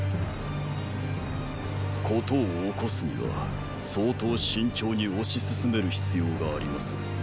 事を起こすには相当慎重に推し進める必要があります。